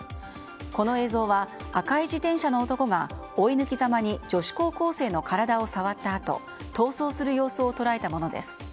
この映像は、赤い自転車の男が追い抜きざまに女子高校生の体を触ったあと逃走する様子を捉えたものです。